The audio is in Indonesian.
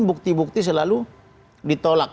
bukti bukti selalu ditolak